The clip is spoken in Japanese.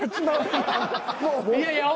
いやいや。